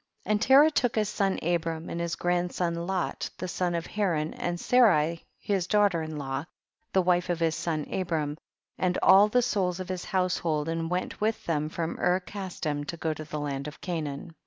And Terah took his son Abram and his grandson Lot, the son of Haran, and Sarai his daughter in law, the wife of his son Abram, and all the souls of his household and went with them from Ur Casdim to go to the land of Canaan.